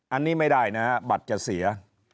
อันนี้ไม่ได้นะบัตรจะเสีย